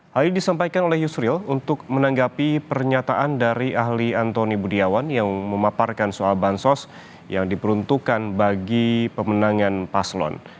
hal ini disampaikan oleh yusril untuk menanggapi pernyataan dari ahli antoni budiawan yang memaparkan soal bansos yang diperuntukkan bagi pemenangan paslon